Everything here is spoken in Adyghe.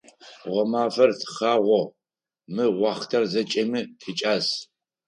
Гъэмафэр тхъагъо, мы уахътэр зэкӀэми тикӀас.